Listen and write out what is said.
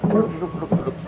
duduk duduk duduk